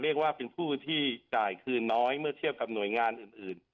เรียกว่าเป็นผู้ที่จ่ายคืนน้อยเมื่อเทียบกับหน่วยงานอื่น